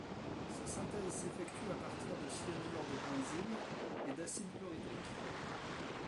Sa synthèse s'effectue à partir de cyanure de benzyle et d'acide chlorhydrique.